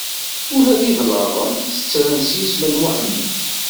Ula d imeḍlaben tettren s yisem n Muḥemmed.